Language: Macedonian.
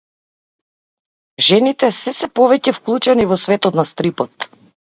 Жените се сѐ повеќе вклучени во светот на стрипот.